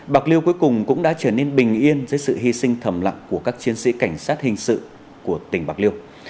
bạc liêu cuối cùng cũng đã trở nên bình yên dưới sự hy sinh thầm lặng của các chiến sĩ cảnh sát hình sự của tỉnh bạc liêu